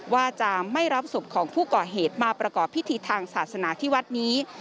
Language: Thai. ว่าจะไม่รับศพของผู้ก่อเหตุมาประกอบพิธีทางศาสนาที่วัดนี้